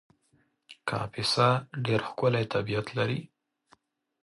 کاپیسا ډېر ښکلی طبیعت لري